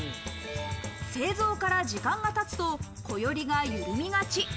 製造から時間が経つと、こよりが緩みがち。